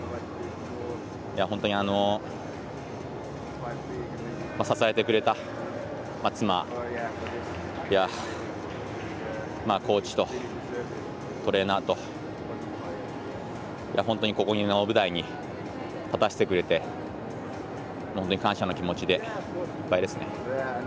本当に支えてくれた妻やコーチと、トレーナーと本当にここの舞台に立たせてくれて本当に感謝の気持ちでいっぱいですね。